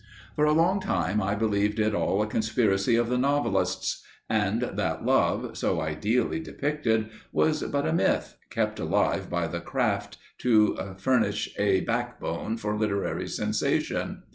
For a long time I believed it all a conspiracy of the novelists, and that love, so ideally depicted, was but a myth, kept alive by the craft, to furnish a backbone for literary sensation.